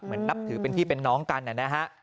นับถือเป็นพี่เป็นน้องกันนะฮะ